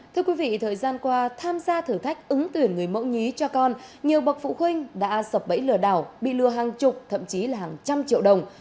thưa quý vị thời gian qua tham gia thử thách ứng tuyển người mẫu nhí cho con nhiều bậc phụ huynh đã sập bẫy lừa đảo bị lừa hàng chục thậm chí là hàng trăm triệu đồng